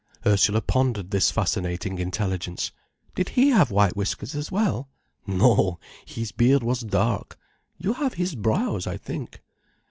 Ursula pondered this fascinating intelligence. "Did he have white whiskers as well?" "No, his beard was dark. You have his brows, I think."